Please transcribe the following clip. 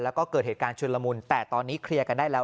แล้วก็เกิดเหตุการณ์ชุนละมุนแต่ตอนนี้เคลียร์กันได้แล้ว